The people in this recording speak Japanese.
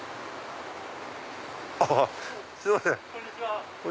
あっすいません。